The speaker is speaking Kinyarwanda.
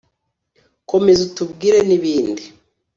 komeza utubwire n’ibindi